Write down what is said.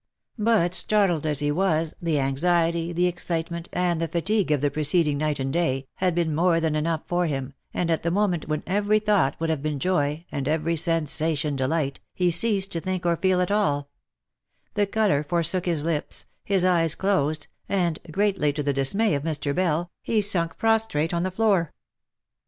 But, startled as he was, the anxiety, the excitement, and the fatigue of the preceding night and day, had been more than enough for him, and at the moment when every thought would have been joy, and every sensation delight, he ceased to think or feel at all, — the colour forsook his lips, his eyes closed, and, greatly to the dis may of Mr. Bell, he sunk prostrate on the floor.